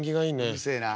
うるせえな。